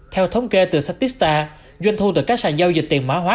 theo thống kê từ satista doanh thu từ các sàn giao dịch tiền mã hóa